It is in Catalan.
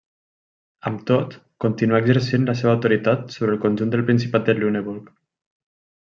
Amb tot, continuà exercint la seva autoritat sobre el conjunt del principat de Lüneburg.